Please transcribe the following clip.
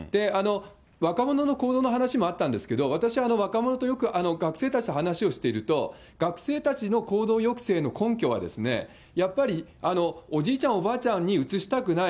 若者の行動の話もあったんですけど、私、若者とよく、学生たちと話をしていると、学生たちの行動抑制の根拠は、やっぱりおじいちゃん、おばあちゃんにうつしたくない。